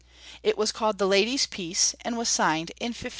It was called the Ladies' Peace, and was signed in 1629.